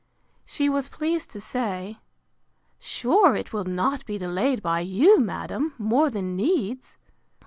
She was pleased to say, Sure it will not be delayed by you, madam, more than needs!